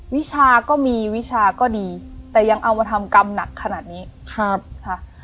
วิชาก็มีวิชาก็ดีแต่ยังเอามาทำกรรมหนักขนาดนี้ครับค่ะ